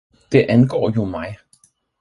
Det angår jo mig!